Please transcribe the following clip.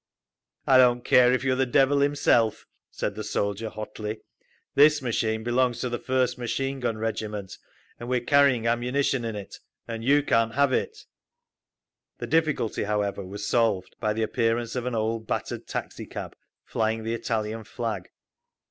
"I don't care if you're the devil himself," said the soldier, hotly. "This machine belongs to the First Machine Gun Regiment, and we're carrying ammunition in it, and you can't have it…." The difficulty, however, was solved by the appearance of an old battered taxi cab, flying the Italian flag.